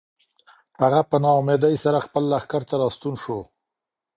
هغه په ناامیدۍ سره خپل لښکر ته راستون شو.